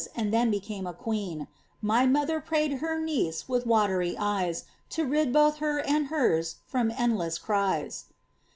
and then became a queen ; My mother prayed her niece with watery eyes, To rid both her and hers from endless cries.